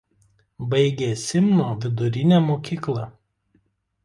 Baigė Simno vidurinę mokyklą.